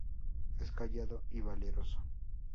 Es callado y valeroso.